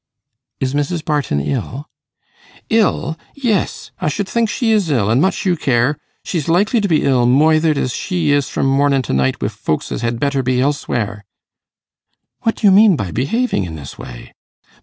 'Is Mrs. Barton ill?' 'Ill yes I should think she is ill, an' much you care. She's likely to be ill, moithered as she is from mornin' to night, wi' folks as had better be elsewhere.' 'What do you mean by behaving in this way?